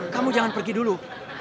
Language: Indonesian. kamu jangan pergi dulu